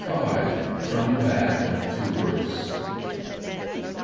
65 FROM BAD TO WORSE.